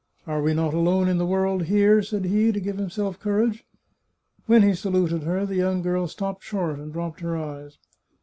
" Are we not alone in the world here ?" said he, to give himself courage. When he saluted her the young girl stopped short and dropped her eyes.